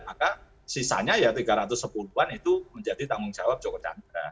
maka sisanya ya tiga ratus sepuluh an itu menjadi tanggung jawab joko chandra